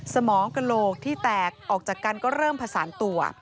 สมองกระโหลกที่แตกออกจากกันก็เริ่มผสานตัว